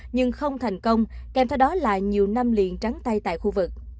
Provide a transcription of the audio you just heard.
nhưng không thành công kèm theo đó là nhiều năm liền trắng tay tại khu vực